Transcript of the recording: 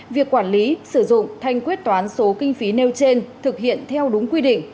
việc quản lý sử dụng thanh quyết toán số kinh phí nêu trên thực hiện theo đúng quy định